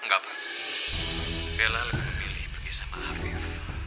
enggak pak bella lebih memilih pergi sama afif